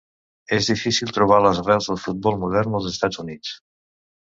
És difícil trobar les arrels del futbol modern als Estats Units.